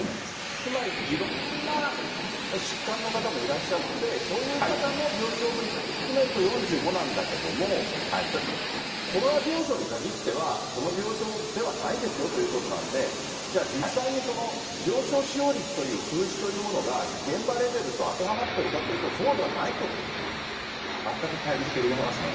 つまり、いろんな疾患の方もいらっしゃって、そういう方の病床も含めると４５なんだけども、コロナ病床に限っては、その病床ではないですよということなんで、じゃあ、実際にその病床使用率という数字というものが、現場レベルとあてはまってるかというと、そうではないってことで全くかい離しておりますね。